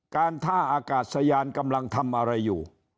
การท่าอากาศยานกำลังทำอะไรอยู่